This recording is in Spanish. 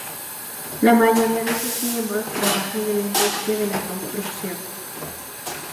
La mayoría de sus miembros trabajan en la industria de la construcción.